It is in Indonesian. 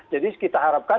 jadi kita harapkan